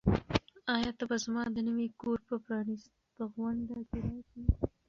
آیا ته به زما د نوي کور په پرانیستغونډه کې راشې؟